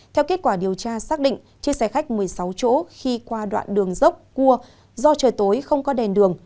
theo kết quả điều tra xác định chiếc xe khách một mươi sáu chỗ khi qua đoạn đường dốc cua do trời tối không có đèn đường